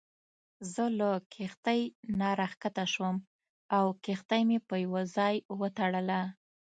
زه له کښتۍ نه راکښته شوم او کښتۍ مې په یوه ځای وتړله.